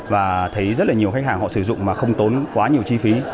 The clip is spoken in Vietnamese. và thấy rất là nhiều khách hàng họ sử dụng mà không tốn quá nhiều chi phí